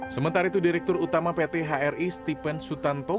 sementara itu direktur utama pthri stephen sutanto